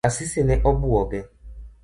Asisi ne obuoge.